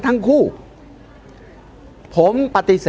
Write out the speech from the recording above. ตอนต่อไป